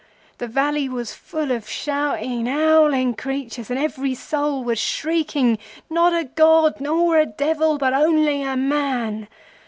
The valley was full of shouting, howling creatures, and every soul was shrieking, 'Not a god nor a devil but only a man!